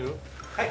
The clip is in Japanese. はい。